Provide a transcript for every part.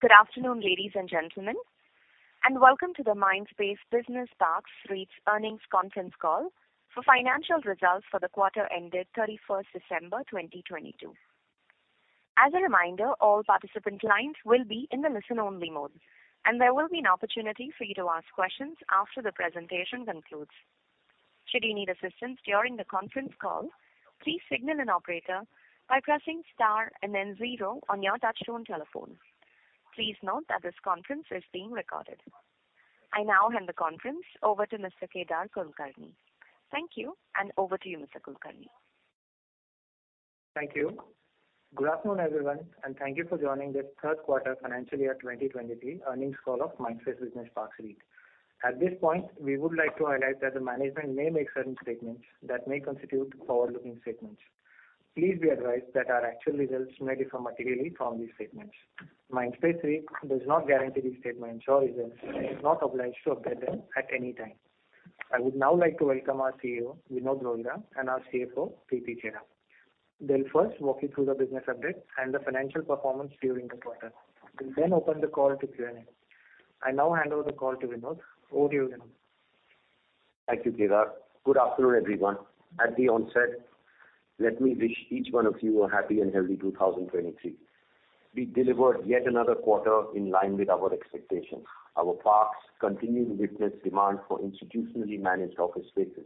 Good afternoon, ladies and gentlemen, and welcome to the Mindspace Business Parks REIT's earnings conference call for financial results for the quarter ended 31st December 2022. As a reminder, all participant lines will be in the listen-only mode, and there will be an opportunity for you to ask questions after the presentation concludes. Should you need assistance during the conference call, please signal an operator by pressing star and then zero on your touchtone telephone. Please note that this conference is being recorded. I now hand the conference over to Mr. Kedar Kulkarni. Thank you, and over to you, Mr. Kulkarni. Thank you. Good afternoon, everyone, and thank you for joining this 3rd quarter financial year 2023 earnings call of Mindspace Business Parks REIT. At this point, we would like to highlight that the management may make certain statements that may constitute forward-looking statements. Please be advised that our actual results may differ materially from these statements. Mindspace REIT does not guarantee these statements or results and is not obliged to update them at any time. I would now like to welcome our CEO Vinod Rohira, and our CFO Preeti Chheda. They'll first walk you through the business update and the financial performance during the quarter. We'll then open the call to Q&A. I now hand over the call to Vinod. Over to you, Vinod. Thank you, Kedar. Good afternoon, everyone. At the onset, let me wish each one of you a happy and healthy 2023. We delivered yet another quarter in line with our expectations. Our parks continue to witness demand for institutionally managed office spaces.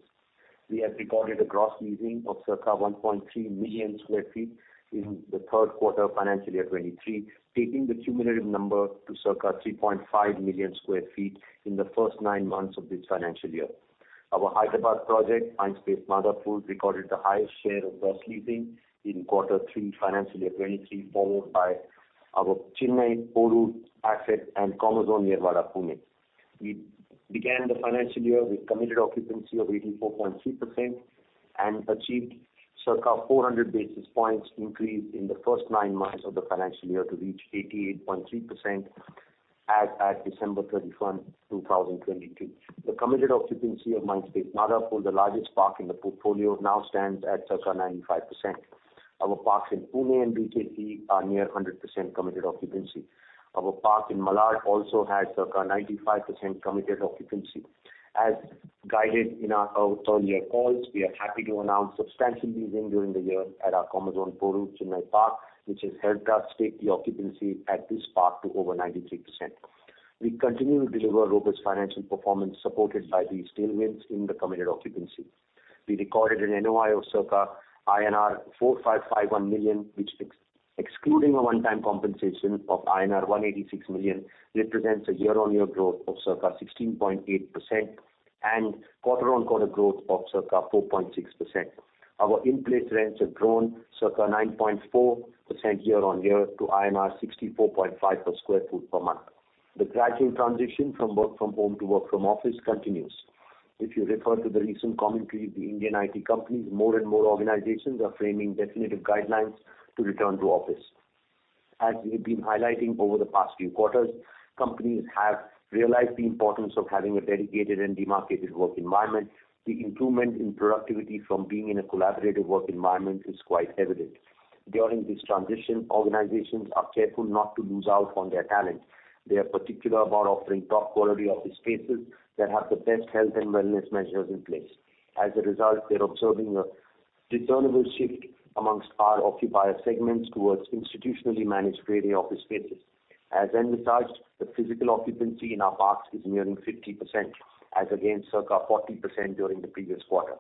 We have recorded a gross leasing of circa 1.3 million sq ft in the third quarter of financial year 23, taking the cumulative number to circa 3.5 million sq ft in the nine months of this financial year. Our Hyderabad project, Mindspace Madhapur, recorded the highest share of gross leasing in quarter three financial year 23, followed by our Chennai Porur asset, and Commerzone Yerwada, Pune. We began the financial year with committed occupancy of 84.3% and achieved circa 400 basis points increase in the first nine months of the financial year to reach 88.3% as at December 31, 2023. The committed occupancy of Mindspace Madhapur, the largest park in the portfolio, now stands at circa 95%. Our parks in Pune and BKC are near 100% committed occupancy. Our park in Malad also has circa 95% committed occupancy. As guided in our earlier calls, we are happy to announce substantial leasing during the year at our Commerzone Porur Chennai park, which has helped us take the occupancy at this park to over 93%. We continue to deliver robust financial performance supported by these tailwinds in the committed occupancy. We recorded an NOI of circa INR 4,551 million, which excluding a one-time compensation of INR 186 million, represents a year-on-year growth of circa 16.8% and quarter-on-quarter growth of circa 4.6%. Our in-place rents have grown circa 9.4% year-on-year to INR 64.5 per sq ft per month. The gradual transition from work from home to work from office continues. If you refer to the recent commentary of the Indian IT companies, more and more organizations are framing definitive guidelines to return to office. As we've been highlighting over the past few quarters, companies have realized the importance of having a dedicated and demarcated work environment. The improvement in productivity from being in a collaborative work environment is quite evident. During this transition, organizations are careful not to lose out on their talent. They are particular about offering top quality office spaces that have the best health and wellness measures in place. As a result, they're observing a discernible shift amongst our occupier segments towards institutionally managed Grade-A office spaces. As envisaged, the physical occupancy in our parks is nearing 50%, as against circa 40% during the previous quarter.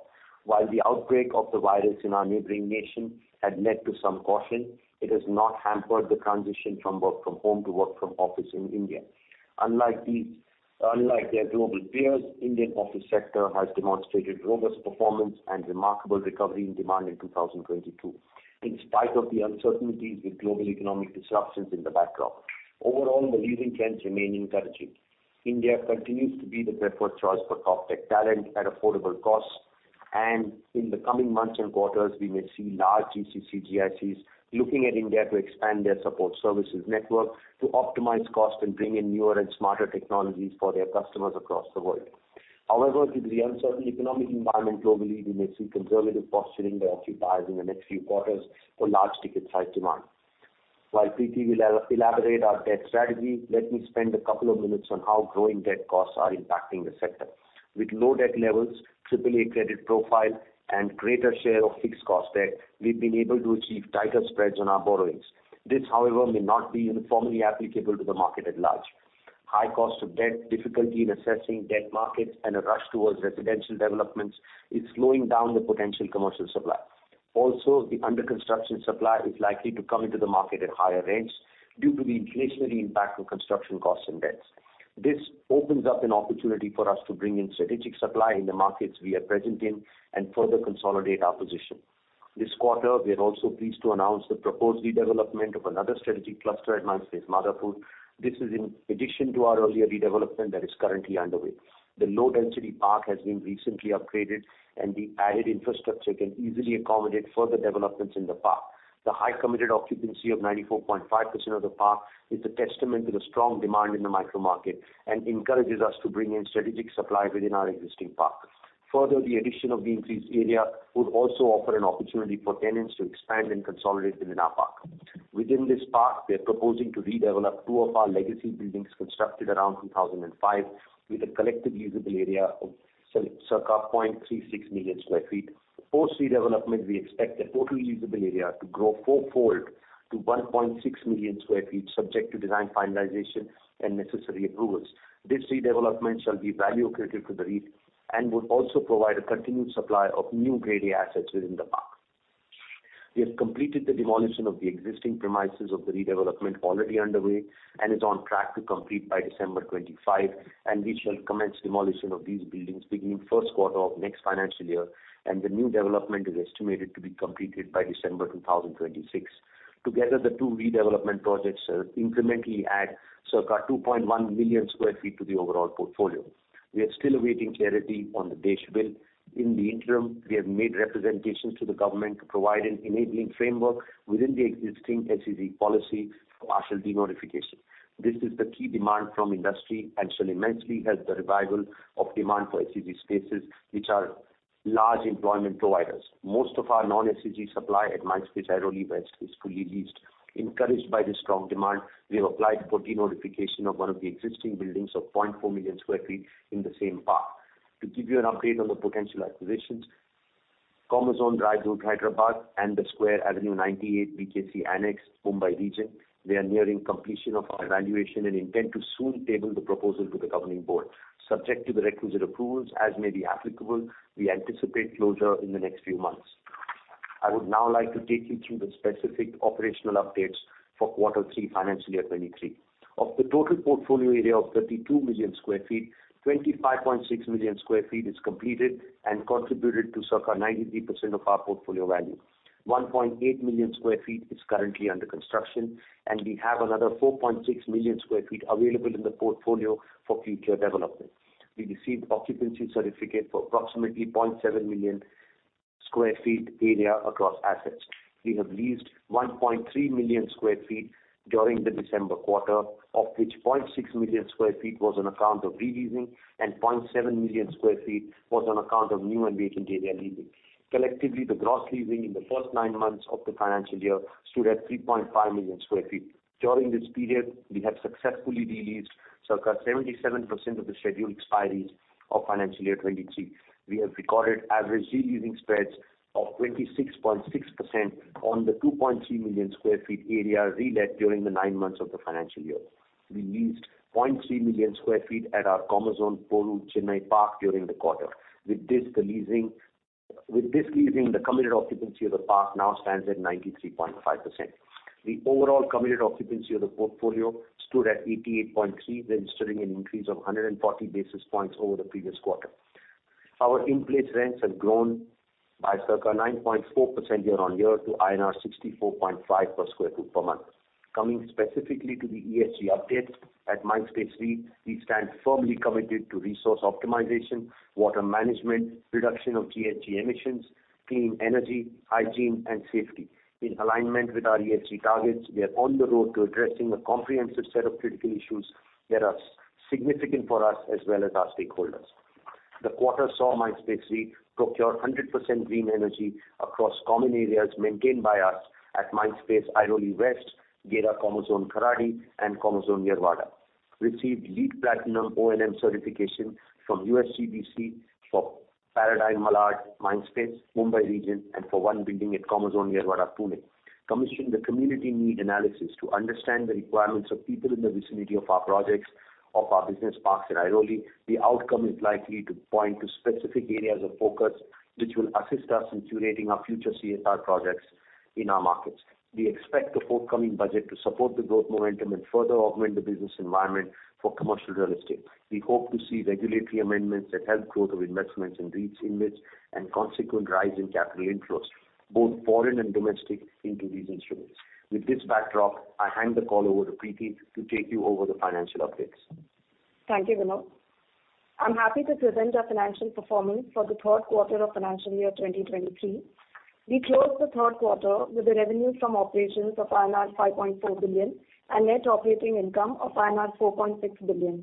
While the outbreak of the virus in our neighboring nation had led to some caution, it has not hampered the transition from work from home to work from office in India. Unlike their global peers, Indian office sector has demonstrated robust performance and remarkable recovery in demand in 2022, in spite of the uncertainties with global economic disruptions in the backdrop. Overall, the leasing trends remain encouraging. India continues to be the preferred choice for top tech talent at affordable costs, and in the coming months and quarters, we may see large GCC GICs looking at India to expand their support services network to optimize cost and bring in newer and smarter technologies for their customers across the world. However, with the uncertain economic environment globally, we may see conservative posturing by occupiers in the next few quarters for large ticket size demand. While Preeti will elaborate our debt strategy, let me spend a couple of minutes on how growing debt costs are impacting the sector. With low debt levels, AAA credit profile, and greater share of fixed cost debt, we've been able to achieve tighter spreads on our borrowings. This, however, may not be uniformly applicable to the market at large. High cost of debt, difficulty in assessing debt markets, and a rush towards residential developments is slowing down the potential commercial supply. Also, the under-construction supply is likely to come into the market at higher rents due to the inflationary impact of construction costs and debts. This opens up an opportunity for us to bring in strategic supply in the markets we are present in and further consolidate our position. This quarter, we are also pleased to announce the proposed redevelopment of another strategic cluster at Mindspace Madhapur. This is in addition to our earlier redevelopment that is currently underway. The low-density park has been recently upgraded, and the added infrastructure can easily accommodate further developments in the park. The high committed occupancy of 94.5% of the park is a testament to the strong demand in the micro market and encourages us to bring in strategic supply within our existing park. The addition of the increased area would also offer an opportunity for tenants to expand and consolidate within our park. Within this park, we are proposing to redevelop two of our legacy buildings constructed around 2005, with a collective usable area of circa 0.36 million sq ft. Post redevelopment, we expect the total usable area to grow 4-fold to 1.6 million sq ft, subject to design finalization and necessary approvals. This redevelopment shall be value accretive to the REIT and will also provide a continued supply of new grade A assets within the park. We have completed the demolition of the existing premises of the redevelopment already underway, and is on track to complete by December 2025, and we shall commence demolition of these buildings beginning first quarter of next financial year, and the new development is estimated to be completed by December 2026. Together, the two redevelopment projects incrementally add circa 2.1 million sq ft to the overall portfolio. We are still awaiting clarity on the DESH Bill. In the interim, we have made representations to the government to provide an enabling framework within the existing SEZ policy for partial de-notification. This is the key demand from industry and shall immensely help the revival of demand for SEZ spaces, which are large employment providers. Most of our non-SEZ supply at Mindspace Airoli West is fully leased. Encouraged by the strong demand, we have applied for de-notification of one of the existing buildings of 0.4 million sq ft in the same park. To give you an update on the potential acquisitions, Commerzone Madhapur, Hyderabad and The Square, Avenue 98, BKC Annex Mumbai region, we are nearing completion of our evaluation and intend to soon table the proposal to the governing board. Subject to the requisite approvals as may be applicable, we anticipate closure in the next few months. I would now like to take you through the specific operational updates for Q3 FY23. Of the total portfolio area of 32 million sq ft, 25.6 million sq ft is completed and contributed to circa 93% of our portfolio value. 1.8 million sq ft is currently under construction, and we have another 4.6 million sq ft available in the portfolio for future development. We received occupancy certificate for approximately 0.7 million sq ft area across assets. We have leased 1.3 million sq ft during the December quarter, of which 0.6 million sq ft was on account of re-leasing and 0.7 million sq ft was on account of new and vacant area leasing. Collectively, the gross leasing in the first nine months of the financial year stood at 3.5 million sq ft. During this period, we have successfully re-leased circa 77% of the scheduled expiries of financial year 2023. We have recorded average re-leasing spreads of 26.6% on the 2.3 million sq ft area re-let during the nine months of the financial year. We leased 0.3 million sq ft at our Commerzone Porur, Chennai park during the quarter. With this leasing, the committed occupancy of the park now stands at 93.5%. The overall committed occupancy of the portfolio stood at 88.3%, registering an increase of 140 basis points over the previous quarter. Our in-place rents have grown by circa 9.4% year-on-year to INR 64.5 per sq ft per month. Coming specifically to the ESG updates, at Mindspace REIT, we stand firmly committed to resource optimization, water management, reduction of GHG emissions, clean energy, hygiene and safety. In alignment with our ESG targets, we are on the road to addressing a comprehensive set of critical issues that are significant for us as well as our stakeholders. The quarter saw Mindspace REIT procure 100% green energy across common areas maintained by us at Mindspace Airoli West, Gera Commerzone Kharadi and Commerzone Yerwada. Received LEED Platinum O&M certification from USGBC for Paradigm Malad, Mindspace Mumbai region, and for one building at Commerzone Yerwada, Pune. Commissioned a community need analysis to understand the requirements of people in the vicinity of our projects of our business parks in Airoli. The outcome is likely to point to specific areas of focus, which will assist us in curating our future CSR projects in our markets. We expect the forthcoming budget to support the growth momentum and further augment the business environment for commercial real estate. We hope to see regulatory amendments that help growth of investments in REITs units and consequent rise in capital inflows, both foreign and domestic, into these instruments. With this backdrop, I hand the call over to Preeti to take you over the financial updates. Thank you, Vinod. I'm happy to present our financial performance for the third quarter of financial year 2023. We closed the third quarter with a revenue from operations of INR 5.4 billion and net operating income of INR 4.6 billion.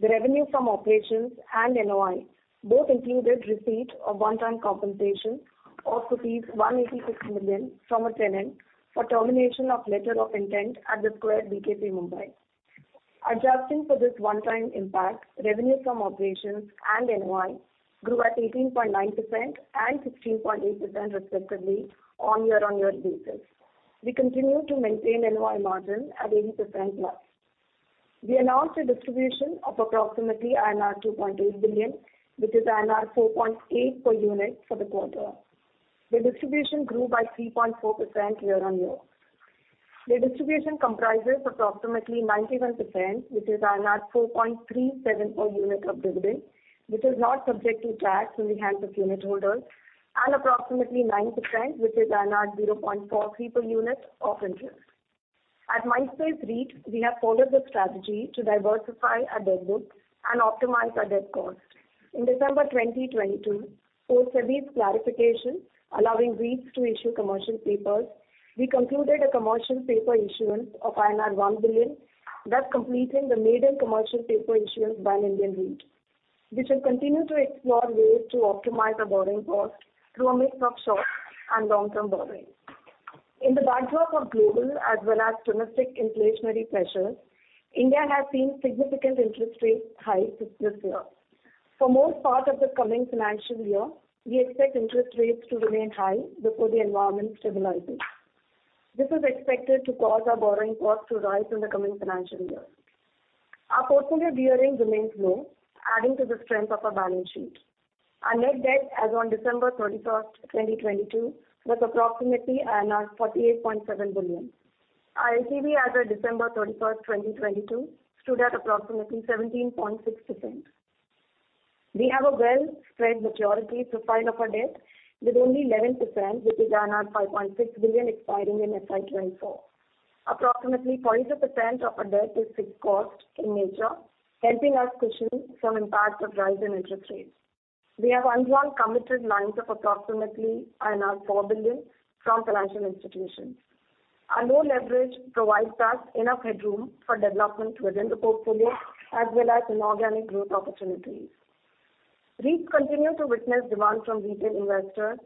The revenue from operations and NOI both included receipt of one-time compensation of rupees 186 million from a tenant for termination of LOI at The Square BKC Mumbai. Adjusting for this one-time impact, revenue from operations and NOI grew at 18.9% and 16.8% respectively on year-on-year basis. We continue to maintain NOI margin at 80%+. We announced a distribution of approximately INR 2.8 billion, which is INR 4.8 per unit for the quarter. The distribution grew by 3.4% year-on-year. The distribution comprises approximately 91%, which is 4.37 per unit of dividend, which is not subject to tax in the hands of unit holders, and approximately 9%, which is 0.43 per unit of interest. At Mindspace REIT, we have followed the strategy to diversify our debt book and optimize our debt cost. In December 2022, post SEBI's clarification allowing REITs to issue commercial papers, we concluded a commercial paper issuance of INR 1 billion, thus completing the maiden commercial paper issuance by an Indian REIT. We shall continue to explore ways to optimize our borrowing cost through a mix of short and long-term borrowings. In the backdrop of global as well as domestic inflationary pressures, India has seen significant interest rate hikes this year. For most part of the coming financial year, we expect interest rates to remain high before the environment stabilizes. This is expected to cause our borrowing cost to rise in the coming financial year. Our portfolio gearing remains low, adding to the strength of our balance sheet. Our net debt as on December 31, 2022 was approximately 48.7 billion. Our ICV as of December 31, 2022 stood at approximately 17.6%. We have a well spread maturity profile of our debt, with only 11%, which is 5.6 billion expiring in FY24. Approximately 40% of our debt is fixed cost in nature, helping us cushion some impact of rise in interest rates. We have undrawn committed lines of approximately 4 billion from financial institutions. Our low leverage provides us enough headroom for development within the portfolio as well as inorganic growth opportunities. REITs continue to witness demand from retail investors.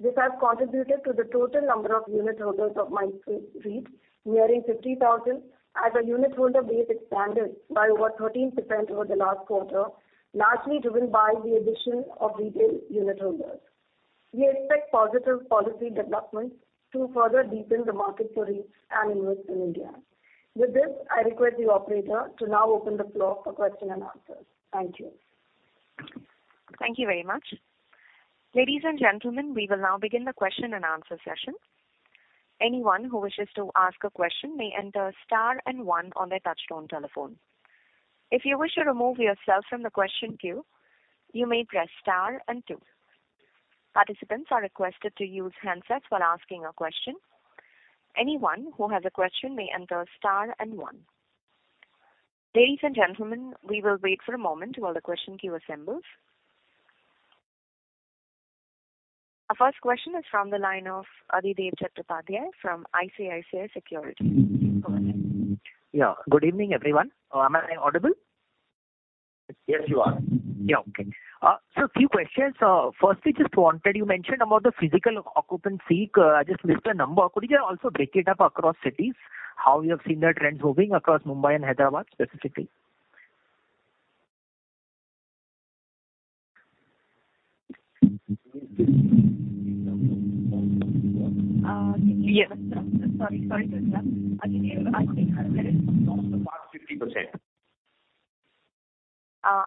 This has contributed to the total number of unit holders of Mindspace REIT nearing 50,000, as our unit holder base expanded by over 13% over the last quarter, largely driven by the addition of retail unit holders. We expect positive policy developments to further deepen the market for REITs and invest in India. With this, I request the operator to now open the floor for question and answers. Thank you. Thank you very much. Ladies and gentlemen, we will now begin the question and answer session. Anyone who wishes to ask a question may enter star and 1 on their touchtone telephone. If you wish to remove yourself from the question queue, you may press star and 2. Participants are requested to use handsets while asking a question. Anyone who has a question may enter star and 1. Ladies and gentlemen, we will wait for a moment while the question queue assembles. Our first question is from the line of Adhidev Chattopadhyay from ICICI Securities. Go ahead. Yeah. Good evening, everyone. Am I audible? Yes, you are. Yeah. Okay. A few questions. Firstly, You mentioned about the physical occupancy. I just missed the number. Could you also break it up across cities, how you have seen the trends moving across Mumbai and Hyderabad specifically? yes. Sorry. Sorry, sir. Adhidev, I think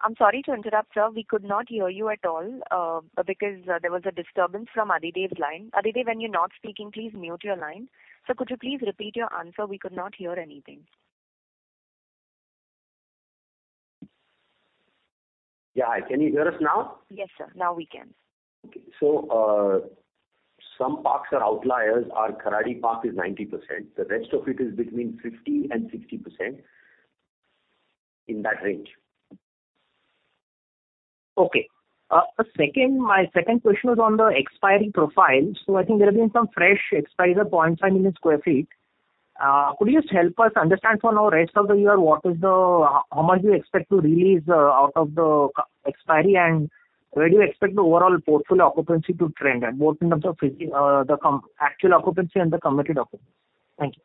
I'm sorry to interrupt, sir. We could not hear you at all, because, there was a disturbance from Adhidev's line. Adhidev, when you're not speaking, please mute your line. Sir, could you please repeat your answer? We could not hear anything. Yeah. Hi, can you hear us now? Yes, sir. Now we can. Okay. Some parks are outliers. Our Kharadi park is 90%. The rest of it is between 50% and 60%, in that range. Okay. My second question is on the expiry profile. I think there have been some fresh expiries of 0.5 million sq ft. Could you just help us understand for now, rest of the year, how much you expect to release out of the expiry? Where do you expect the overall portfolio occupancy to trend at, both in terms of physical actual occupancy and the committed occupancy? Thank you.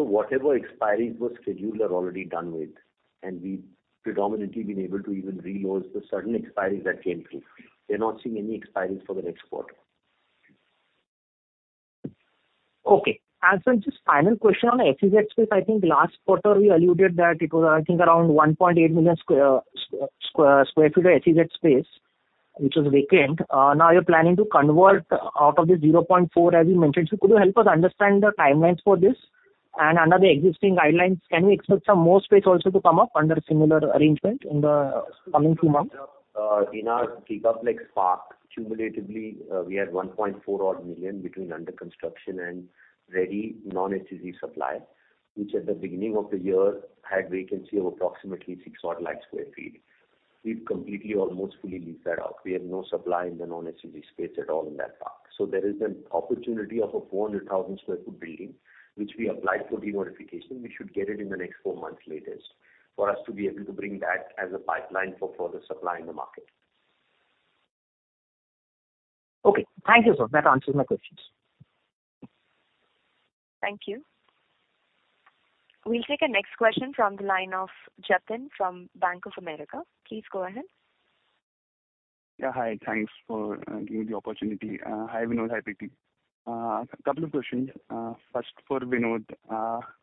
Whatever expiries were scheduled are already done with, and we've predominantly been able to even re-lease the certain expiries that came through. We're not seeing any expiries for the next quarter. Okay. As a just final question on SEZ space, I think last quarter we alluded that it was, I think, around 1.8 million sq ft of SEZ space which was vacant. Now you're planning to convert out of the 0.4, as you mentioned. Could you help us understand the timelines for this? Under the existing guidelines, can we expect some more space also to come up under similar arrangement in the coming few months? In our Commerzone Kharadi, cumulatively, we have 1.4 odd million between under construction and ready non-SEZ supply, which at the beginning of the year had vacancy of approximately 6 odd lakh sq ft. We've completely almost fully leased that out. We have no supply in the non-SEZ space at all in that park. There is an opportunity of a 400,000 sq ft building which we applied for de-notification. We should get it in the next four months latest for us to be able to bring that as a pipeline for further supply in the market. Okay. Thank you, sir. That answers my questions. Thank you. We'll take a next question from the line of Jatin from Bank of America. Please go ahead. Yeah. Hi. Thanks for giving the opportunity. Hi, Vinod. Hi, Preeti. A couple of questions. First for Vinod.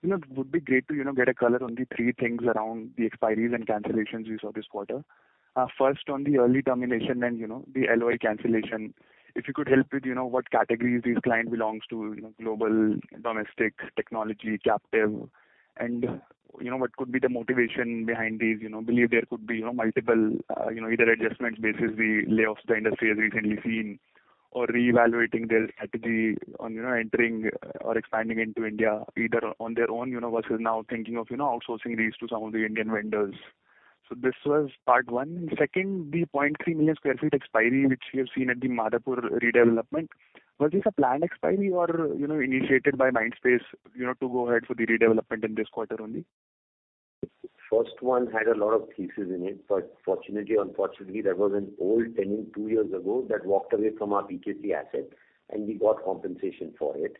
You know, it would be great to, you know, get a color on the three things around the expiries and cancellations we saw this quarter. First on the early termination and, you know, the LOI cancellation. If you could help with, you know, what categories these client belongs to, you know, global, domestic, technology, captive, and, you know, what could be the motivation behind these. You know, believe there could be, you know, multiple, you know, either adjustment basis, the layoffs the industry has recently seen. Reevaluating their strategy on, you know, entering or expanding into India, either on their own, you know, versus now thinking of, you know, outsourcing these to some of the Indian vendors. This was part one. Second, the 0.3 million sq ft expiry, which we have seen at the Madhapur redevelopment. Was this a planned expiry or, you know, initiated by Mindspace, you know, to go ahead for the redevelopment in this quarter only? First one had a lot of leases in it, but fortunately, unfortunately, there was an old tenant two years ago that walked away from our BKC asset. We got compensation for it.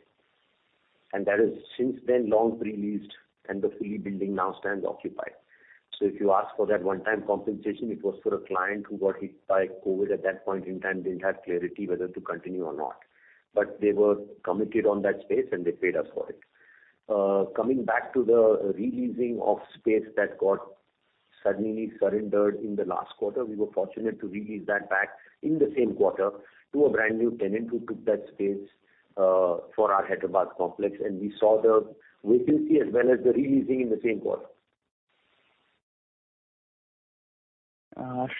That is since then long pre-leased, and the fully building now stands occupied. If you ask for that one-time compensation, it was for a client who got hit by COVID at that point in time, didn't have clarity whether to continue or not. They were committed on that space, and they paid us for it. Coming back to the re-leasing of space that got suddenly surrendered in the last quarter, we were fortunate to re-lease that back in the same quarter to a brand-new tenant who took that space for our Hyderabad complex. We saw the vacancy as well as the re-leasing in the same quarter.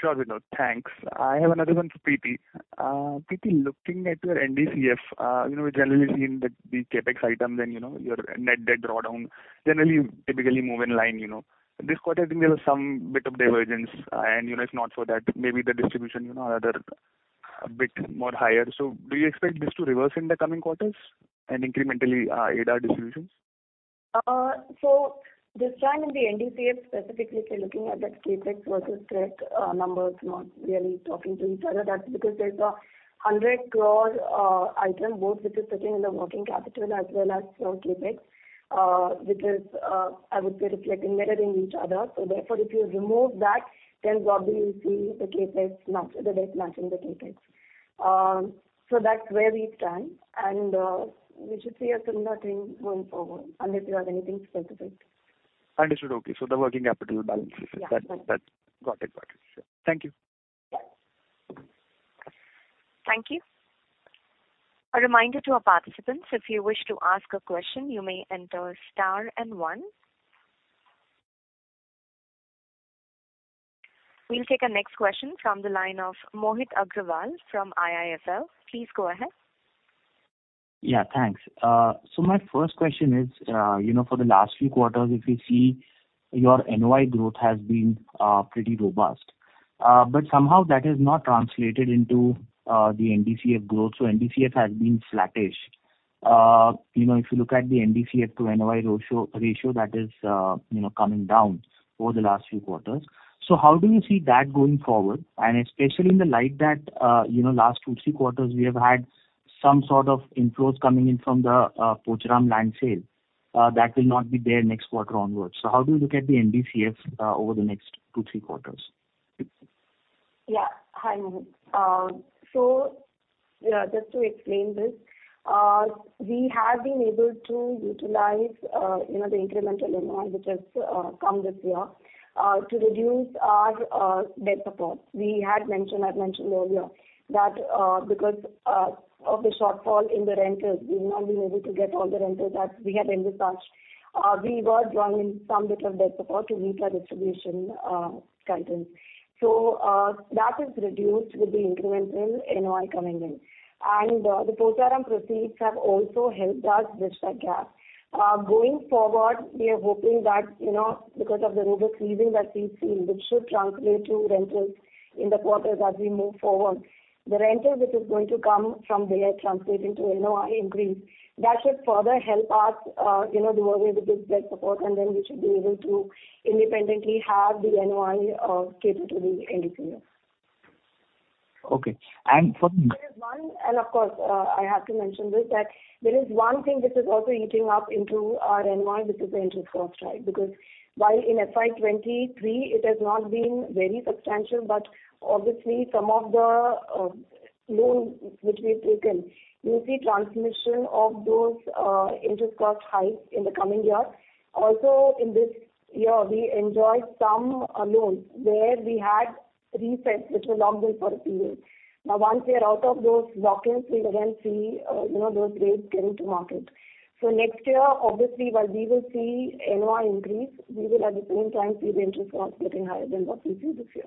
Sure, Vinod. Thanks. I have another one for Preeti. Preeti, looking at your NDCF, you know, we've generally seen that the CapEx item, then, you know, your net debt drawdown generally typically move in line, you know. This quarter, I think there was some bit of divergence and, you know, if not for that, maybe the distribution, you know, are a bit more higher. Do you expect this to reverse in the coming quarters and incrementally aid our distributions? This time in the NDCF specifically, if you're looking at that CapEx versus debt, numbers not really talking to each other, that's because there's an 100 crore item both, which is sitting in the working capital as well as for CapEx, which is, I would say, reflecting, mirroring each other. Therefore, if you remove that, then probably you'll see the debt matching the CapEx. That's where we stand. We should see a similar thing going forward, unless you have anything to anticipate. Understood. Okay. The working capital balance sheet. Yeah. That's. Got it. Thank you. Thank you. A reminder to our participants, if you wish to ask a question, you may enter star and one. We'll take our next question from the line of Mohit Agrawal from IIFL. Please go ahead. Yeah, thanks. My first question is, you know, for the last few quarters, if you see your NOI growth has been pretty robust. Somehow that has not translated into the NDCF growth. NDCF has been flattish. You know, if you look at the NDCF to NOI ratio that is, you know, coming down over the last few quarters. How do you see that going forward? Especially in the light that, you know, last two, three quarters, we have had some sort of inflows coming in from the Pocharam land sale, that will not be there next quarter onwards. How do you look at the NDCF over the next two, three quarters? Hi, Mohit. Just to explain this, we have been able to utilize, you know, the incremental NOI, which has come this year, to reduce our debt support. We had mentioned, I'd mentioned earlier that, because of the shortfall in the rentals, we've not been able to get all the rentals that we had envisaged. We were drawing in some bit of debt support to meet our distribution commitments. That is reduced with the incremental NOI coming in. The Pocharam proceeds have also helped us bridge that gap. Going forward, we are hoping that, you know, because of the robust leasing that we've seen, which should translate to rentals in the quarters as we move forward. The rental which is going to come from there translating to NOI increase, that should further help us, you know, devote the big debt support, then we should be able to independently have the NOI, cater to the NDCF. Okay. for the next- There is one. Of course, I have to mention this, that there is one thing which is also eating up into our NOI, which is the interest cost, right. While in FY23 it has not been very substantial, but obviously some of the loans which we've taken, you'll see transmission of those interest cost hike in the coming year. In this year, we enjoyed some loans where we had resets which were locked in for a period. Once we are out of those lock-ins, we will again see, you know, those rates getting to market. Next year, obviously, while we will see NOI increase, we will at the same time see the interest costs getting higher than what we've seen this year.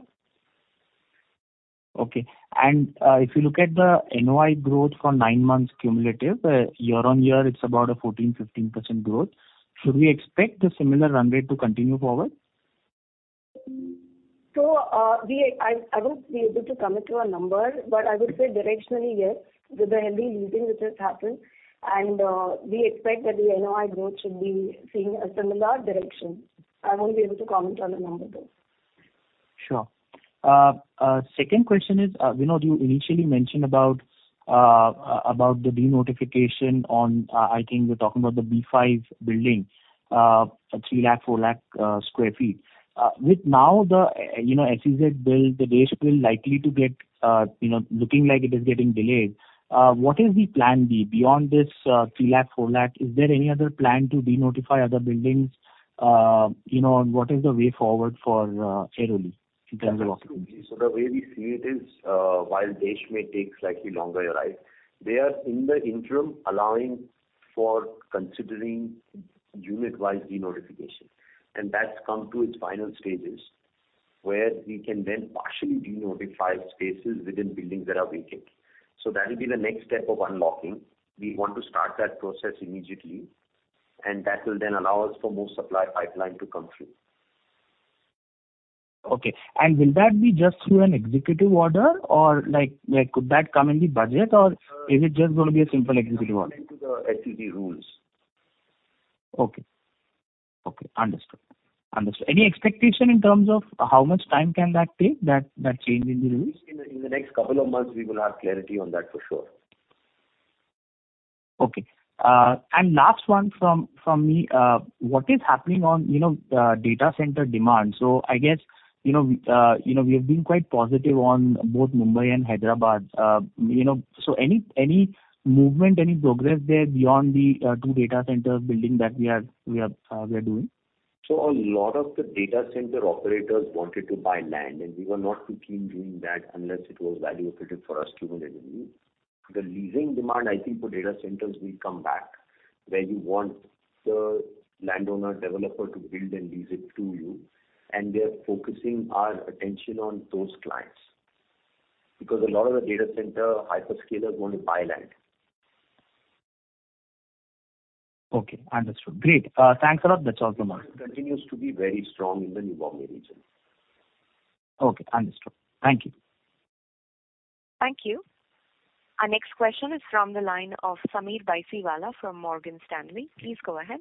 Okay. If you look at the NOI growth for nine months cumulative, year-over-year, it's about a 14%-15% growth. Should we expect the similar run rate to continue forward? I won't be able to commit to a number, but I would say directionally, yes, with the heavy leasing which has happened, and we expect that the NOI growth should be seeing a similar direction. I won't be able to comment on the number, though. Sure. Second question is, Vinod, you initially mentioned about the denotification on, I think you're talking about the B5 building, 3 lakh, 4 lakh sq ft. With now the, you know, SEZ Bill, the DESH Bill likely to get, you know, looking like it is getting delayed. What is the plan B beyond this 3 lakh, 4 lakh? Is there any other plan to denotify other buildings? You know, and what is the way forward for Airoli in terms of offices? Absolutely. The way we see it is, while DESH Bill may take slightly longer, you're right. They are in the interim allowing for considering unit-wide denotification, and that's come to its final stages. We can then partially denotify spaces within buildings that are vacant. That'll be the next step of unlocking. We want to start that process immediately, that will then allow us for more supply pipeline to come through. Okay. Will that be just through an executive order? Like could that come in the budget or is it just gonna be a simple executive order? According to the [FTD rules.] Okay. Okay, understood. Understood. Any expectation in terms of how much time can that take, that change in the rules? In the next couple of months, we will have clarity on that for sure. Okay. Last one from me. What is happening on, you know, data center demand? I guess, you know, you know, we have been quite positive on both Mumbai and Hyderabad. You know, any movement, any progress there beyond the two data center building that we are doing? A lot of the data center operators wanted to buy land, and we were not too keen doing that unless it was value accretive for us cumulatively. The leasing demand, I think for data centers will come back, where you want the landowner developer to build and lease it to you. We are focusing our attention on those clients. A lot of the data center hyperscalers want to buy land. Okay, understood. Great. Thanks a lot. That's all from my side. continues to be very strong in the Mumbai region. Okay, understood. Thank you. Thank you. Our next question is from the line of Sameer Baisiwala from Morgan Stanley. Please go ahead.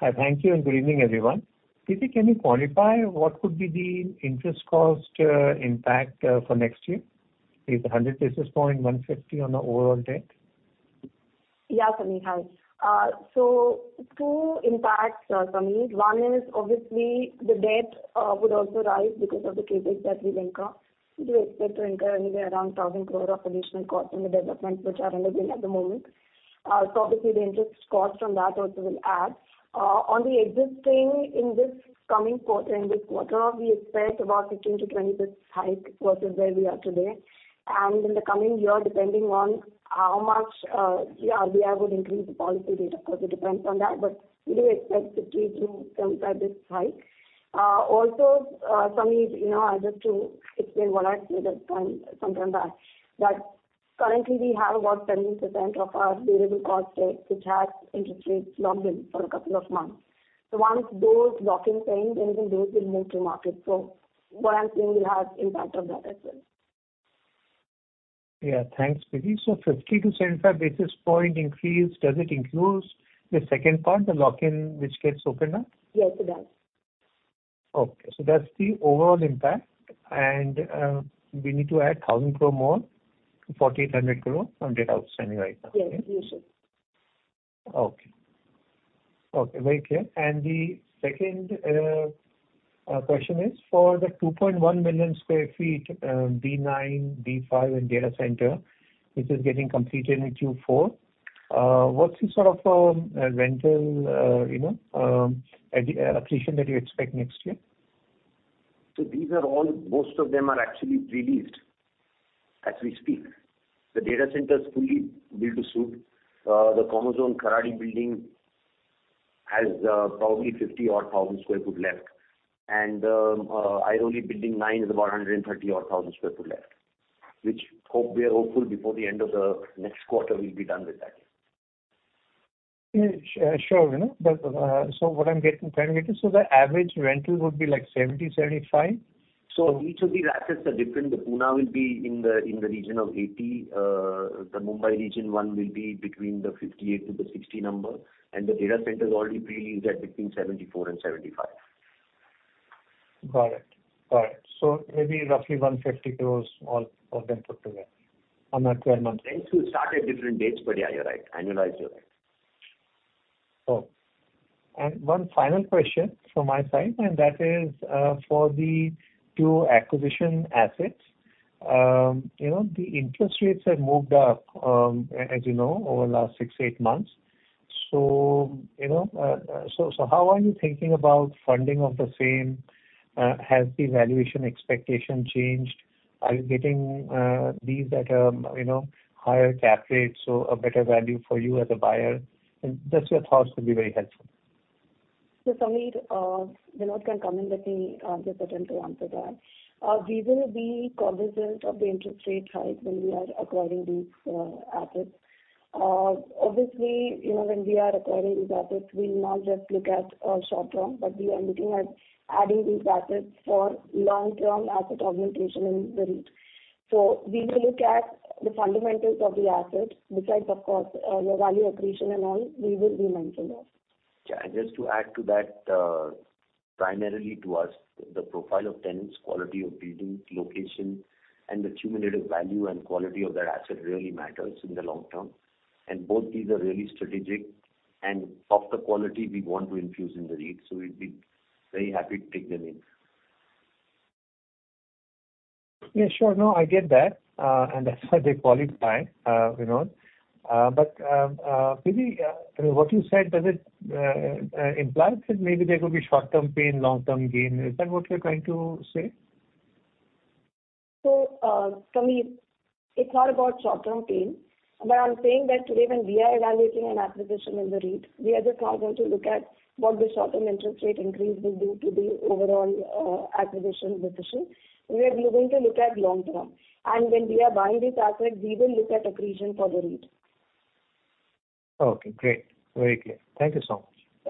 Hi. Thank you and good evening, everyone. Preeti, can you quantify what could be the interest cost impact for next year? Is it 100 basis points, 150 on the overall debt? Yeah, Sameer. Hi. So two impacts, Sameer. One is obviously the debt would also rise because of the CapEx that we'll incur. We expect to incur anywhere around 1,000 crore of additional cost in the developments which are underway at the moment. So obviously the interest cost from that also will add. On the existing in this coming quarter, in this quarter, we expect about 15-20 basis points hike versus where we are today. In the coming year, depending on how much, yeah, RBI would increase the policy rate. Of course it depends on that, but we do expect 50-75 basis points hike. Also, Sameer, you know, just to explain what I said some time back, that currently we have about 10% of our variable cost debt which has interest rates locked in for a couple of months. Once those lock-ins change, anything those will move to market. What I'm saying will have impact on that as well. Yeah. Thanks, Preeti. 50-75 basis point increase, does it include the second part, the lock-in which gets opened up? Yes, it does. Okay. That's the overall impact. We need to add 1,000 crore more to 4,800 crore from debt outstanding right now. Yes, you should. Okay. Okay, very clear. The second question is for the 2.1 million sq ft, D9, D5, and data center, which is getting completed in Q4, what's the sort of rental, you know, accretion that you expect next year? Most of them are actually pre-leased as we speak. The data center is fully build to suit. The Commerzone Kharadi building has probably 50,000 sq ft left. Airoli Building 9 has about 130,000 sq ft left, which we are hopeful before the end of the next quarter we'll be done with that. Yeah. sure, Vinod. What I'm getting, trying to get is, the average rental would be like 70-75? Each of the rackets are different. The Pune will be in the region of 80. The Mumbai region one will be between the 58 to the 60 number, and the data center is already pre-leased at between 74 and 75. Got it. Got it. Maybe roughly 150 crores, all them put together on that 12-month- Rents will start at different dates, but yeah, you're right. Annualized, you're right. Cool. One final question from my side, and that is for the two acquisition assets. You know, the interest rates have moved up, as you know, over the last six, eight months. You know, so how are you thinking about funding of the same? Has the valuation expectation changed? Are you getting these at, you know, higher cap rates, so a better value for you as a buyer? Just your thoughts would be very helpful. Sameer, Vinod can comment. Let me give attempt to answer that. We will be cognizant of the interest rate hike when we are acquiring these assets. Obviously, you know, when we are acquiring these assets, we'll not just look at short term, but we are looking at adding these assets for long-term asset augmentation in the REIT. We will look at the fundamentals of the assets besides of course, the value accretion and all we will be mindful of. Yeah. Just to add to that, primarily to us, the profile of tenants, quality of buildings, location, and the cumulative value and quality of that asset really matters in the long term. Both these are really strategic and of the quality we want to infuse in the REIT, so we'd be very happy to take them in. Yeah, sure. No, I get that. That's why they qualify, Vinod. Preeti, what you said, does it imply that maybe there could be short-term pain, long-term gain? Is that what you're trying to say? Sameer, it's not about short-term pain. I'm saying that today when we are evaluating an acquisition in the REIT, we are just not going to look at what the short-term interest rate increase will do to the overall acquisition decision. We are willing to look at long term. When we are buying these assets, we will look at accretion for the REIT. Okay, great. Very clear. Thank you so much.